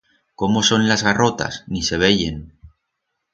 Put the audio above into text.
Cómo son las garrotas? Ni se veyen.